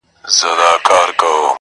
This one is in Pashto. ځوانه د لولیو په بازار اعتبار مه کوه.!